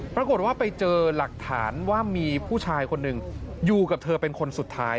ปรากฏว่าไปเจอหลักฐานว่ามีผู้ชายคนหนึ่งอยู่กับเธอเป็นคนสุดท้าย